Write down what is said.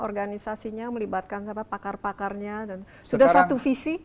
organisasinya melibatkan pakar pakarnya dan sudah satu visi